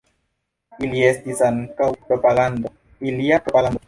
Tio estis ankaŭ propagando – ilia propagando.